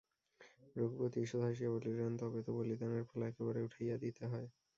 রঘুপতি ঈষৎ হাসিয়া বলিলেন, তবে তো বলিদানের পালা একেবারে উঠাইয়া দিতে হয়।